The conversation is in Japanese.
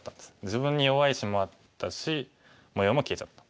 自分に弱い石もあったし模様も消えちゃった。